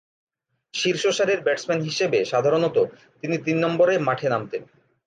শীর্ষ সারির ব্যাটসম্যান হিসেবে সাধারণতঃ তিনি তিন নম্বরে মাঠে নামতেন।